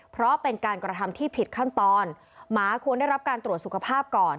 เพราะเป็นการกระทำที่ผิดขั้นตอนหมาควรได้รับการตรวจสุขภาพก่อน